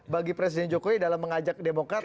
bagi presiden jokowi dalam mengajak demokrat